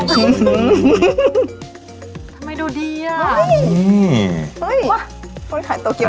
ทำไมดูดีอ่ะเฮ้ยถึงค่ะเห้ยถ่ายโตเกียว